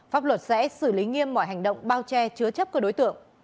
pháp luật sẽ xử lý nghiêm mọi hành động bao che chứa chấp các đối tượng